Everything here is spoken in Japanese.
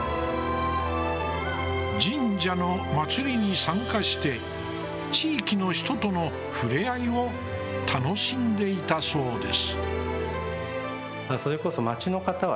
神社の祭りに参加して地域の人との触れ合いを楽しんでいたそうです。